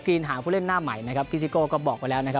รีนหางผู้เล่นหน้าใหม่นะครับพี่ซิโก้ก็บอกไว้แล้วนะครับ